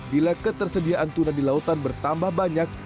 bila ketersediaan tuna di lautan bertambah banyak